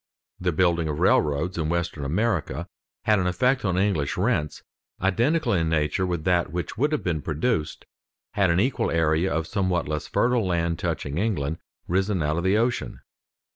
The building of railroads in western America had an effect on English rents identical in nature with that which would have been produced had an equal area of somewhat less fertile land touching England, risen out of the ocean.